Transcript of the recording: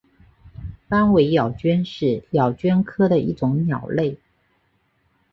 斑尾咬鹃是咬鹃科的一种鸟类。